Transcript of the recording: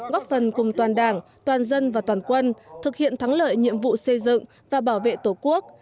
góp phần cùng toàn đảng toàn dân và toàn quân thực hiện thắng lợi nhiệm vụ xây dựng và bảo vệ tổ quốc